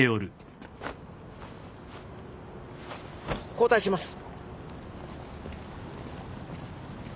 交代します。